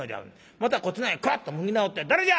またこっちの方へカッと向き直って『誰じゃ？